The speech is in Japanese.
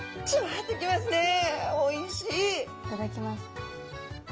いただきます。